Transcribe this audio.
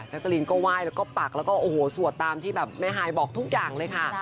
กะลินก็ไหว้แล้วก็ปักแล้วก็โอ้โหสวดตามที่แบบแม่ฮายบอกทุกอย่างเลยค่ะ